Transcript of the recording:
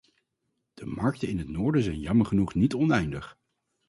De markten in het noorden zijn jammer genoeg niet oneindig.